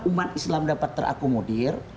umat islam dapat terakomodir